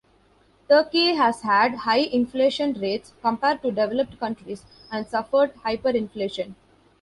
Turkey has had high inflation rates compared to developed countries and suffered hyperinflation.